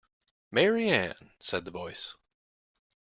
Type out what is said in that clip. Mary Ann!’ said the voice.